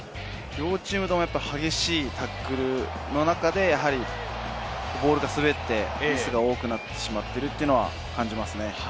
両チームとも激しいタックルの中でボールが滑って、ミスが多くなってしまっているというのを感じますね。